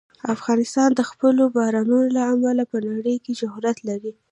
افغانستان د خپلو بارانونو له امله په نړۍ کې شهرت لري.